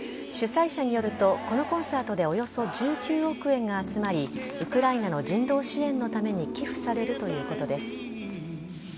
主催者によると、このコンサートでおよそ１９億円が集まり、ウクライナの人道支援のために寄付されるということです。